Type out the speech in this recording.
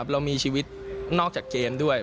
เรามีชีวิตนอกจากเกมด้วย